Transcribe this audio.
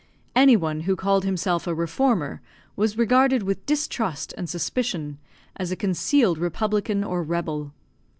Any one who called himself a reformer was regarded with distrust and suspicion, as a concealed republican or rebel.